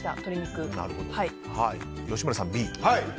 吉村さんはＢ。